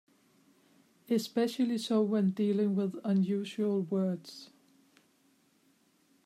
Especially so when dealing with unusual words.